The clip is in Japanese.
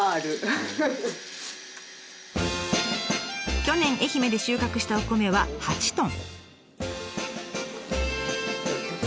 去年愛媛で収穫したお米は８トン。